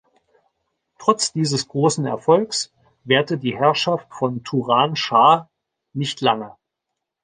Trotz dieses großen Erfolgs währte die Herrschaft von Turan Schah nicht lange.